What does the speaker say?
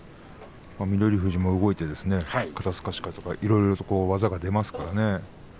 富士も動いて肩すかしとかいろいろな技が出ますからね